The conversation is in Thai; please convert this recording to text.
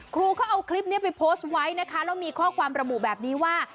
ครูเขาเอาคลิปนี้ไปโพสต์ไว้นะคะแล้วมีข้อความระบุแบบนี้ว่า